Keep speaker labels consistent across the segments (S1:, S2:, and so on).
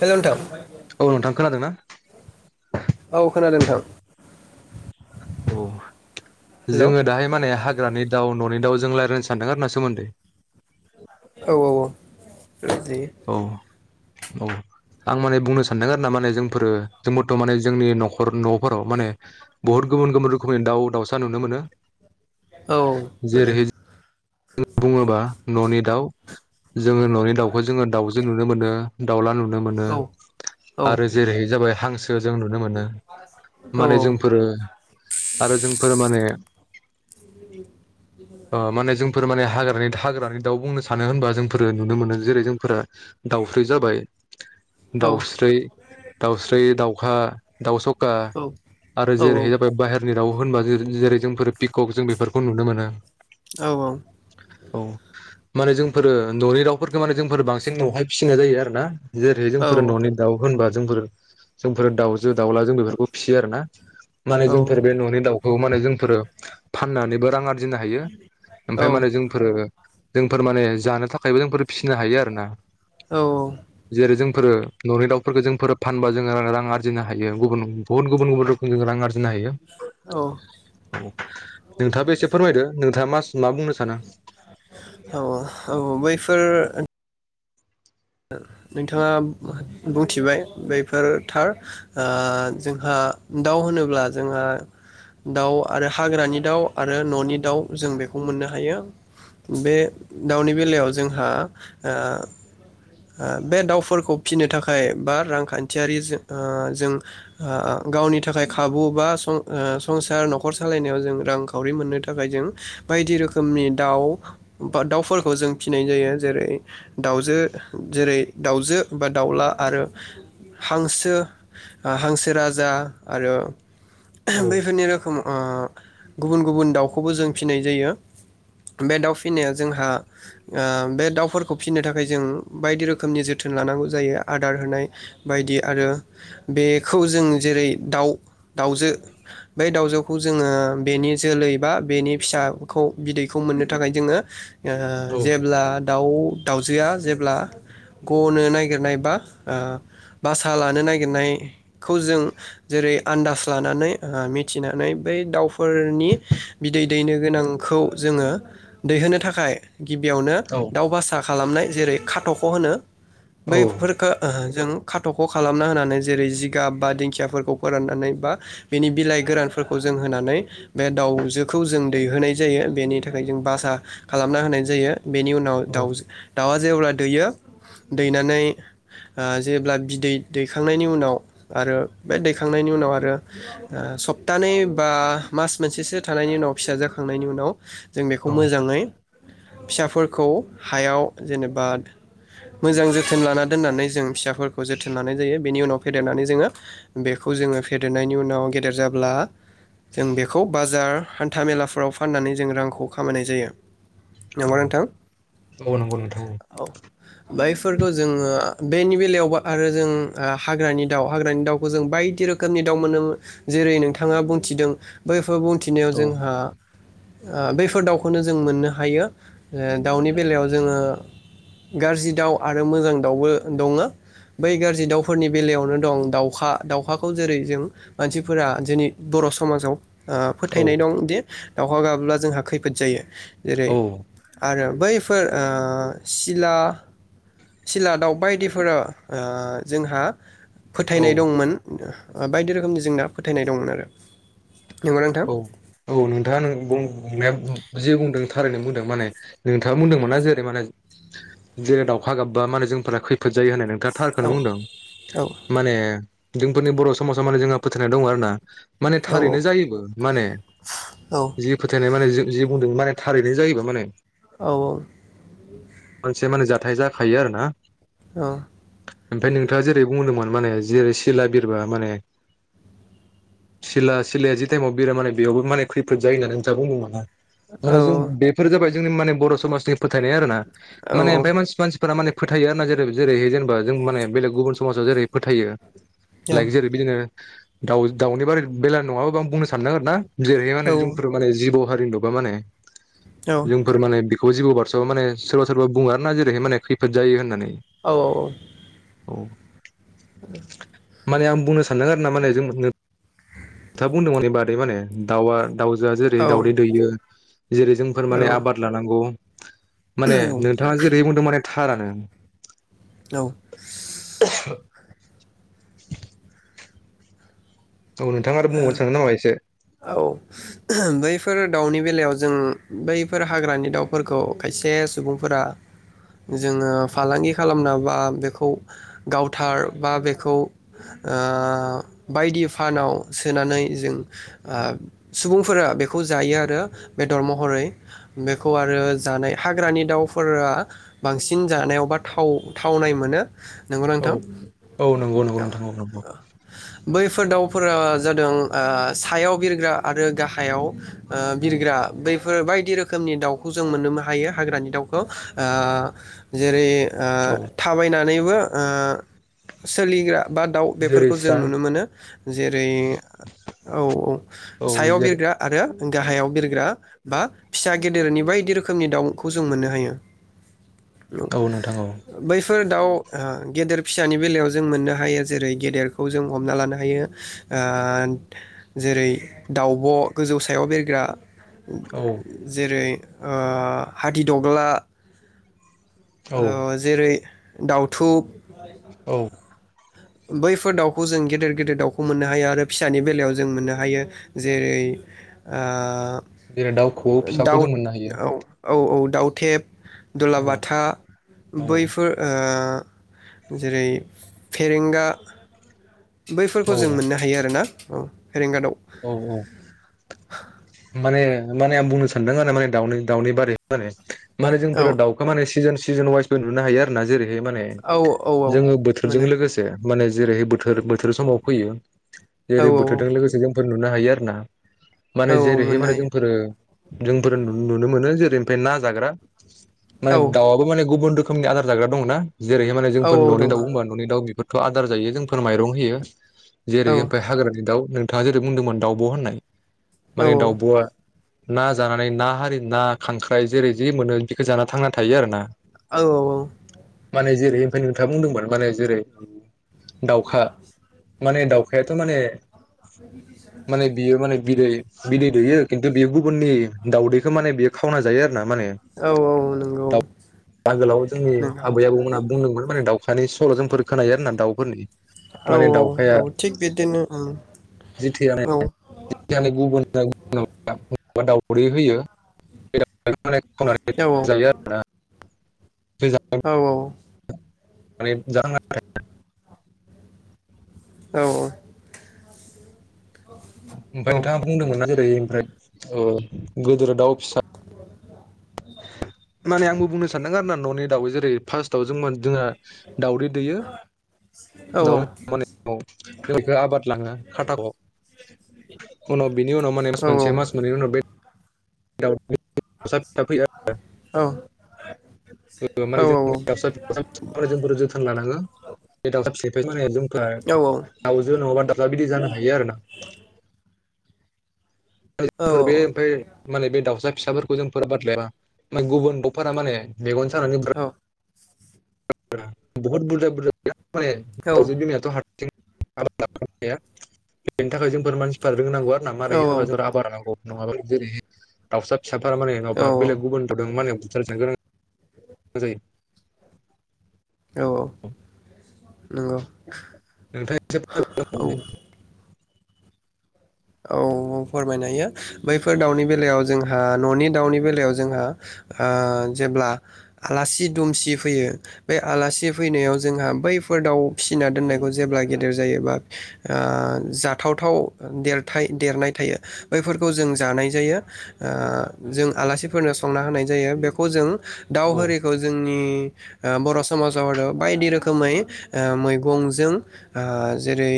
S1: हेल' नोंथां
S2: औ नोंथां खोनादोंना।
S1: औ खोनादों नोंथां।
S2: औ
S1: हेल' औ
S2: जोङो दाहाय माने हाग्रा। हाग्रानि दाउ न'नि दाव जों रायनो सानदों आरो ना सोमोन्दै।
S1: औ औ औ। जि
S2: औ औ आं माने बुंनो सानदों आरो ना माने जोंफोरो जोंबोथ' माने जोंनि न'खर न'फोराव माने बुहुद गुबुन गुबुन रोखोमनि दाव दावसा नुनो मोनो।
S1: औ मोनो।
S2: जेरैहाय बुङोबा न'नि दाव। जोङो न'नि दाखो जोङो दाउ जों नुनो मोनो दावला नु मोनो।
S1: औ औ
S2: आरो जेरैहाय जाबाय हांसो जों नुनो मोनो
S1: औ
S2: माने जोंफोरो आरो जोंफोरो माने ओ माने जोंफोरो जोंफोर माने हाग्रानि हाग्रानि दाउ बुंनो सानो होनबा जोंफोरो नुनो मोनो जेरै जोंफोरा दाउस्रि जाबाय दाउस्रि दाउस्रि दाउखा दाव स आरो
S1: औ
S2: जेरैहाय जाबाय बाहेरनि दाउ होनबा जेरै जोंफोर पिकक जों बेफोरखौ नुनो मोनो।
S1: औ औ
S2: औ माने जोंफोरो ननि दाउफोरखौ माने जोंफोरो बांसिन न'आवहाय फिसिनाय जायो आरो ना। जेरै जोंफोर न'नि दाउ होनबा जोंफोर जोंफोर दाउजो दाउला जों बेफोरखौ फिसियो आरो ना। माने जोंफोर बे न'नि दाउ औ माने जोंफोर फाननानैबो रां आरजि आरजिनो हायो। ओमफ्राय माने जोंफोर जोंफोर माने जानो थाखायबो जोंफोर फिसिनो हायो आरो ना जेरै जों फोरो न'नि दाउफोरखौ जोंफोरो फानबा जोङो रां आरजिनो हायो गुबुन गुबुन गुबुन रोखोमनि रां आरजिनो नो हायो
S1: औ औ
S2: नोंथाङाबो एसे फोरमायदो नोंथाङा मास
S1: औ औ औ औ बैफोर नोंथाङा बुंथिबाय बेैफोर थार ओ जोंहा दाउ होनोब्ला जोङो दाउ आरो हाग्रानि दाउ आरो न'नि दाउ जों बेखौ मोननो हायो। बे दाउनि बेलायाव जोंहा ओ ओ बे दाउफोरखौ फिनो थाखाय बा रांखान्थियारि जो जों ओ गावनि थाखाय खाबु बा सं-संसार न'खर सालायनायाव जों रांखावरि मोननो थाखाय जों बायदि रोखोमनि दाउ बा दाउफोरखौ जों फिसिनाय जायो जेरै दाउजो जेरै दाउजो बा दाउला आरो हांसो ओ हांसो राजा आरो
S2: औ
S1: बैफोरनि रोखोम ओ गुबुन गुबुन दाउखौबो जों फिसिनाय जायो। बे दाउ फिसिनाया जोंहा ओ बे दाउफोरखौ फिसिनो थाखाय जों बायदि रोखोमनि जोथोन लानांगौ जायो आदार होनाय बायदि आरो बेखौ जों जेरै दाउ दाउजो बे दाउजोखौ जोङो बेनि जोलै बा बेनि फिसाखौ बिदैखौ मोननो थाखाय जोङो ओ
S2: औ
S1: जेब्ला दाउ दाउजोआ जे अब्ला गनो नागिरनाय बा ओ बासा लानो नागिरनायखौ जों जेरै आन्दाज लानानै ओ मिथिनानै बै दाउफोरनि बिदै दैनो गोनांखौ जोङो दैहोनो थाखाय गिबियावनो
S2: औ
S1: दाउ बासा खालामनाय जेरै खाथ'ख' होनो
S2: औ
S1: बैफोरखो ओहोज जों खाथ'ख' खालामना होनानै जेरै जिगाब बा दिंखियाफोरखौ फोराननानै बा बेनि बिलाइ गोरानफोरखौ जों होनानै बे दाउजोखौ जों दैहोनाय जायो बेनि थाखाय जों बासा खालामना होनाय जायो बेनि उनाव
S2: औ
S1: दाउजो दाउवा जेब्ला दैयो दैनानै ओ जेब्ला बिदै दैखांनायनि उनाव आरो बे दैखांनायनि उनाव आरो ओ सप्तानै बा मास मोनसेसो थानायनि उनाव फिसा जाखांनायनि उनाव जों बेखौ
S2: औ
S1: मोजाङै फिसाफोरखौ हायाव जेनेबा मोजां जोथोन लाना दोननानै जों फिसाफोरखौ जोथोन लानाय जायो । बेनि उनाव फेदेरनानै जोङो बेखौ जोङो फेदेरनायनि उनाव गेदेर जाब्ला जों बेखौ बाजार हान्था मेलाफ्राव फाननानै जों रांखौ खामायनाय जायो। नंगौना नोंथां
S2: औ औ नंगौ नोंथां औ।
S1: बैफोरखौ जोङो बेनि बेलायाव आरो जों हाग्रानि दाउ हाग्रानि दाउखौ जों बायदि रोखोमनि दाउ मोनो जेरै नोंथाङा बुंथिदों बैफोर मिथिनायाव
S2: औ
S1: जोंहा ओ बैफोर दाउखौनो जों मोननो हायो ओ दाउनि बेलायाव जोङो गाज्रि दाउ आरो मोजां दाउबो दङो बै गाज्रि दाउफोरनि बेलायावनो दं दाउखा दाउखाखौ जेरै जों मानसिफोरा जोंनि बर' समाजाव ओ फोथायनाय दं दि दावखा गाबोब्ला जोंहा खैफोद जायो जेरै
S2: औ
S1: आरो बैफोर ओ सिला सिला दाउ बायदिफोरा ओ जोंहा फोथायनाय दंमोन बायदि रोखोमनि जोंना फोथायनाय दंमोन आरो। नंगौना नोंथां
S2: औ औ नोंथाङा नों बुंनाया जे बुंदों थारैनो बुंदों माने नोंथाङा बुंदोंमोना जेरै माने जेरै दाउखा गाबबा माने जोंफोरा खैफोद जायो होननाय नों नोंथाङा
S1: औ
S2: थारखौनो बुंदों
S1: औ
S2: माने जोंफोरनि बर' समाजाव माने जोंहा फोथायनाय दङ आरो ना माने
S1: औ
S2: थारैनो माने
S1: औ
S2: जि फोथायनाय मानेे जि जि बुंदों माने थारैनाय जायोबो माने।
S1: औ
S2: मोनसे माने जा थाय जाखायो आरो ना।
S1: ओ
S2: ओमफ्राय नोंथाङा जेरै बुंदोंमोन माने जेरै सिला बिरबा माने सिला सिलाया जि टाइमाव बिरा मानो बेयावबो माने खैफोद जायो होननानै नोंथाङा बुंदों माने माने जों बेफोर जाबाय जोंनि माने बर' समाजनि फोथायनाय आरो ना। माने ओमफ्राय मानसि मानसि फोरा माने फोथायो आरो ना जेरै जेरै जेनेबा जों माने बेलेग गुबुन समाजा जेरै फोथायो। लाइक जेरै बिदिनो दाउ दाउनि बारै बेला नङाबाबो आं बुंनो सानदों आरो ना। जेरैहाय माने जोंफोर माने जिब' [unintelligible] माने
S1: औ
S2: जोंफोर माने बि खौ जिबौ बारस'आव माने सोरबा सोरबा बुङो आरोना जेरैहाय माने खैफोद जायो होननानै।
S1: औ औ औ
S2: औ
S1: [inaudible]
S2: माने आं बुंनो सानदों आरो ना माने जों खोथा बुंदों माने बादै माने दाउआ दाउजोआ जेरै
S1: औ
S2: दाउदै दैयो जेरै जोंफोर माने
S1: औ
S2: आबाद लानांगौ। माने नोंथाङा जेरै बुंदों माने थारानो।
S1: औ
S2: [inaudible] औ नोंथाङा आरो बुंबावनो सानदों नामा एसे?
S1: औ बैफोर दाउनि बेलायाव जों बैफोर हाग्रानि दाउफोरखौ खायसे सुबुंफोरा जोङो फालांगि खालामना बा बेखौ गावथार बा बेखौ ओ‌ बायदि फानाव सोनानै जों आ सुबुंफोरा बेखौ जायो आरो बेदर महरै बेखौ आरो जानाय हाग्रानि दाउफोरा बांसिन जानायाव बा थावनाय मोनो। नंगौ ना
S2: औ
S1: नोंथां
S2: औ नंगौ नंगौ
S1: औ
S2: नोंथां नंगौ
S1: औ बैफोर दाउफोरा जादों आ सायाव बिरग्रा आरो गाहायाव ओ बिरग्रा बैफोर बायदि रोखोमनि दाउखौ जों मोननोबो हायो हाग्रानि दाउखौ आ जेरै आ
S2: औ
S1: थाबायनानै बो ओ सोलिग्रा बा दाउ
S2: जेरै
S1: बेफोरखौ जों
S2: फिसा
S1: नुनो मोनो जेरै औ औ
S2: औ
S1: सायाव
S2: जेरै
S1: बिरग्रा आरो गाहायाव बिरग्रा बा फिसा गेदेरनि बायदि रोखोमनि दाउखौ जों मोननो हायो
S2: औ नोंथां औ
S1: फोर दाउ आ गेदेर फिसानि बेलायाव जों मोननो हायो जेरै गेदेरखौ जों हमना लानो हायो आ आन्थ जेरै दाउब' गोजौ सायाव बिरग्रा
S2: औ
S1: जेरै ओ हादिदग्ला
S2: औ
S1: ओ जेरै दाउथुब
S2: औ
S1: [inaudible] बैफोर दाउखौ जों गेदेर गेदेर दाउखौ मोननो हायो आरो फिसानि बेलायाव जों मोननो हायो जेरै आ
S2: जेरै दाउ खौवौ फिसाखौ जों मोननो हायो
S1: औ औ औ दाउथेब
S2: औ
S1: दुलाबाथा
S2: औ
S1: बैफोर ओ ओ जेरै फेरेंगा बैफोरखौ
S2: औ
S1: जों मोननो हायो आरो ना औ फेरेंगादाव
S2: औ औ माने माने आं बुंनो सानदों आरो माने दाउनि दाउनि बारे माने माने
S1: औ
S2: जोंफोरो दाउखौ माने सिजेन सिजेन वाइसबो नुनो हायो आरोना जेरै बे माने
S1: औ
S2: जोङो बोथोरजों
S1: मोनो
S2: लोगोसे माने जेरैहै बोथोर बोथोर समाव फैयो
S1: औ
S2: जेरै बोथोरजों लोगोसे जों नुनो हायो आरो ना। माने
S1: औ
S2: जेरैहाय
S1: मोननो
S2: माने
S1: हायो
S2: जोंफोरो जोंफोर नुनो मोनो जेरै ओमफ्राय ना जाग्रा माने
S1: औ
S2: गावा माने गुबुन रो खोमनि आदार जाग्रा दं ना? जेरैहाय माने
S1: औ
S2: जोंफोर
S1: औ
S2: न'नि दाउ
S1: दङ औ
S2: होनबा न'नि दाउ बेफोर थ' आदार जायो जोंफोर माइरं होयो। जेरै ओमफ्राय हाग्रानि दाउ नो थांआ जेरै बुंदोंमोन दाउब' होननाय
S1: औ
S2: माने दाउब'आ ना जानानै ना हारि ना खांख्राइ जेरै जि मोनो बेखौ जाना थांना थायो आरो ना।
S1: औ औ औ
S2: माने जेरै ओमफ्राय नोंथाङा बुंदोंमोन माने जेरै दावखा माने दाउखायाथ' माने माने बियो माने
S1: [unintelligible]
S2: बिदै बिदै दैयो खिन्थु बेगु गुबुननि दावदैखौ माने बियो खावना जायो आर माने
S1: औ नंगौ
S2: दाव आगोलाव जोंनि
S1: नंगौ
S2: आबै आबौमोनहा बुंदोंमोन माने दावखानि स सल' जोंफोर खोनायो आरो ना दाउफोरनि
S1: औ
S2: माने दाउखाया
S1: औ थिग बिदिनो ओं औ
S2: [unintelligible] दाउदै होयो [unintelligible] खावनानै
S1: औ
S2: जायो आरोना
S1: औ औ
S2: माने [unintelligible]
S1: औओ
S2: ओमफ्राय नोंथाङा बुंदोंमोन ना जेरै ओमफ्राय अ गोदोर दाउ फिसा माने आंबो बुंनो सानदों आरोना न'नि दाउै जेरै फास्तआव जोंमोन जोंहा दाउदै दैयो [unintelligible] आबाद लाङो। खाटा‌ [unintelligible] बेनि उनाव माने मासमोनसे मास मोननै उनाव बे दाव [unintelligible] [unintelligible] फ्राय दावजो नङाबा दाव बिदि जानो हायो आरो ना। फोर बे ओमफ्राय माने बे दाउसा फिसाफोरखौ जों फोरबाद लायाबा गुबुन दावफोरा माने मेगन खानानै बु बहुत बुरजा बुरजा माने दावजो बिमाथ' हा [unintelligible] बेनि थाखाय जोंफोर मानसिफोर रोंनांगौ आरो ना मारै जेनबा जोङो आबार लानांगौ। नङाबा जेरै दाउसा फिसाफोरा माने नङाबा बेलेग गुबुन दावदों माने बुथार जानो गोनां जायो।
S1: औ औ।
S2: नोंथां एसे
S1: औ
S2: [unintelligible]
S1: औ फोरमायनो हायो । बैफोर दाउनि बेलायाव जोंहा न'नि दाउनि बेलायाव जोंहा आ जेब्ला आलासि दुमसि फैयो बे आलासि फैनायाव जोंहा बैफोर दाउ फिसिना दोननायखौ जेब्ला गेदेर जायोबा आ जाथाव थाव देर थाइ देरनाय थायो बैफोरखौ जों जानाय जायो । ओ जों आलासिफोरनो संना होनाय जायो । बेखौ जों दाउ
S2: औ
S1: होरिखौ जोंनि ओ बर' समाजाव आरो बायदि रोखोमै ओ मैगंजों आ जेरै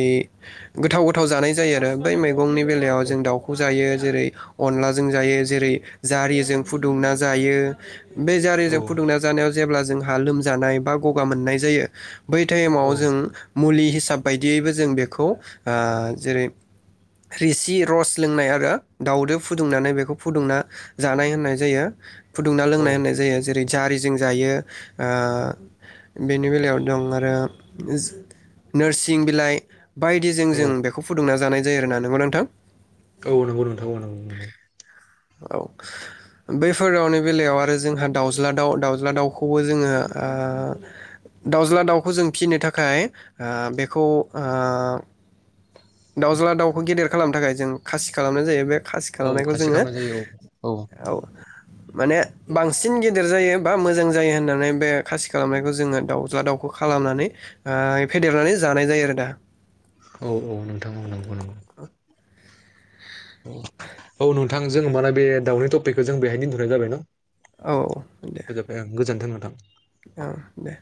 S1: गोथाव गोथाव जानाय जायो आरो बै मैगं गंनि बेलायाव
S2: औ
S1: जों दाउखौ जायो । जेरै अनलाजों जायो जेरै जारिजों फुदुंना जायो । बे
S2: औ
S1: जारिजों फुदुंना जानायाव जेब्ला जोंहा लोमजानाय बा गगा मोननाय जायो । बै टाइमाव
S2: औ
S1: जों मुलि हि हिसाब बायदियैबो जों बेखौ आ जेरै क्रिसि र'स लोंनाय आरो दाउदो फुदुंनानै बेखौ फुदुंना जानाय होननाय जायो । फुदुंना
S2: औ
S1: लोंनाय होननाय जायो जेरै जारिजों जायो ओ बेनि बेलायाव दं आरो नोरसिं बिलाइ बायदिजों
S2: औ
S1: जों बेखौ फुदुंना जानाय जायो आरो ना नंगौना नोंथां
S2: औ नोंगौ नोंथां औ नोंगौ नोंगौ
S1: औ बैफोर दाउनि बेलायाव आरो जोंहा दाउज्ला दाउ दाउज्ला दाउखौबो जोङो आ दाउज्ला दाउखौ जों फिनो थाखाय आ बेखौ आ दावज्लाद देर खालामनो थाखाय जों खासि खालामनाय जायो बे खासि
S2: औ
S1: खालामनायखौ
S2: खासि
S1: जोङो
S2: खालामनाय जायो
S1: औ माने बांसिन गेदेर जायो बा मोजां जायो होननानै बे खासि खालामनायखौ जोङो दाउज्ला दाउखौ खालामनानै आ फेदेरनानै जानाय जायो आरो दा
S2: औ औ नोंथां औ नंगौ नंगौ ।
S1: [inaudible]
S2: औ नुन थां जों माने बे दाउनि टपिकखौ जों बेहायनो दोनथ'नाय जाबाय न
S1: औ
S2: । फोजोबबाय ओं गोजोन्थों ओं । [unintelligible]
S1: ओ दे।